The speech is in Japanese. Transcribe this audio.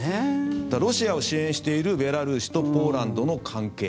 だから、ロシアを支援しているベラルーシとポーランドの関係。